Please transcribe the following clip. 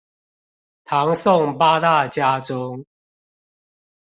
唐宋八大家中